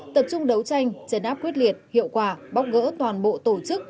tập trung đấu tranh chấn áp quyết liệt hiệu quả bóc gỡ toàn bộ tổ chức